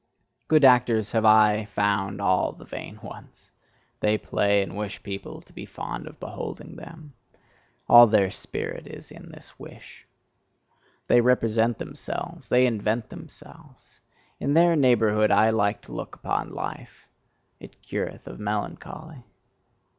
Good actors have I found all the vain ones: they play, and wish people to be fond of beholding them all their spirit is in this wish. They represent themselves, they invent themselves; in their neighbourhood I like to look upon life it cureth of melancholy.